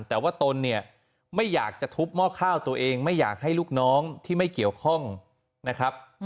แต่ว่าตนเนี่ยไม่อยากจะทุบหม้อข้าวตัวเองไม่อยากให้ลูกน้องที่ไม่เกี่ยวข้องนะครับ